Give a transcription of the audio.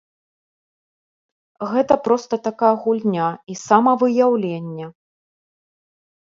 Гэта проста такая гульня і самавыяўленне.